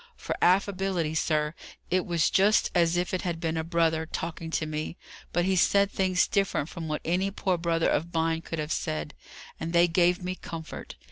For affability, sir, it was just as if it had been a brother talking to me; but he said things different from what any poor brother of mine could have said, and they gave me comfort.